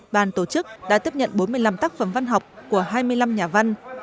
bàn tổ chức đã tiếp nhận bốn mươi năm tác phẩm văn học của hai mươi năm nhà văn